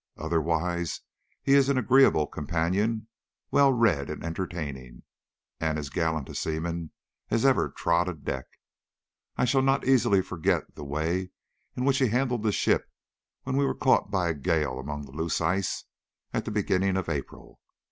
Otherwise he is an agreeable companion, well read and entertaining, and as gallant a seaman as ever trod a deck. I shall not easily forget the way in which he handled the ship when we were caught by a gale among the loose ice at the beginning of April.